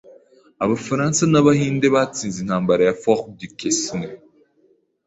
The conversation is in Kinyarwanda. Abafaransa n'Abahinde batsinze Intambara ya Fort Duquesne.